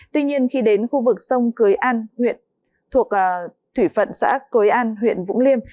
tuy nhiên khi đến khu vực sông cưới an huyện thuộc thủy phận xã cưới an huyện vũng liêm